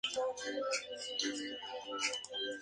Se forma en Informática en la Facultad Integrada de Ceará.